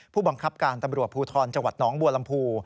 ผู้บังคับการตำรวจภูทรจังหวัดหนองบัวลำพู